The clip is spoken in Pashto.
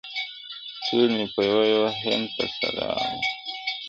• ټول مي په یوه یوه هینده پر سر را واړول,